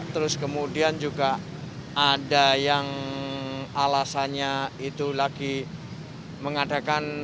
terus kemudian juga ada yang alasannya itu lagi mengadakan